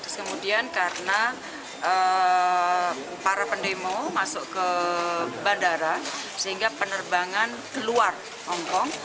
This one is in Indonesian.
jadi para pendemo masuk ke bandara sehingga penerbangan keluar hongkong